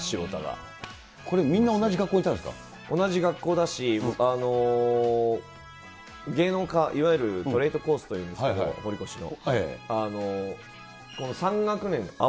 これみんな同じ学校にいたん同じ学校だし、芸能科、いわゆるトレイトコースっていうんですけど、堀越の。